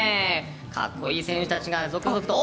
格好いい選手たちが続々と。